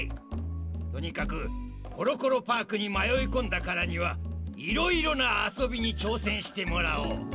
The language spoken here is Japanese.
とにかくコロコロパークにまよいこんだからにはいろいろなあそびにちょうせんしてもらおう。